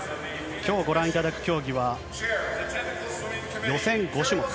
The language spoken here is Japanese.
きょうご覧いただく競技は、予選５種目。